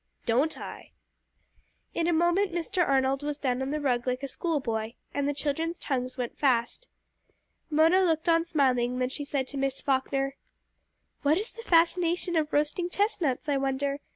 "Don't I?" In a moment Mr. Arnold was down on the rug like a school boy, and the children's tongues went fast. Mona looked on smiling; then she said to Miss Falkner "What is the fascination of roasting chestnuts, I wonder.